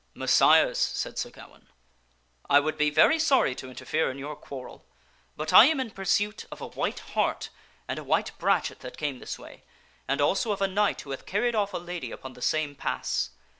'*" Messires," said Sir Gawaine, " I would be very sorry to interfere in your quarrel, but I am in pursuit of a white hart and a white brachet that came this way, and also of a knight who hath carried off a lady upon the same pass.